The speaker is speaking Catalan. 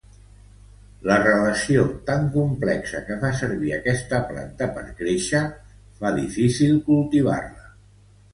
La relació tan complexa que fa servir aquesta planta per créixer fa difícil cultivar-la.